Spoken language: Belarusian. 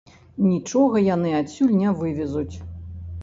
Нічога яны адсюль не вывезуць.